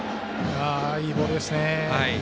いいボールですね。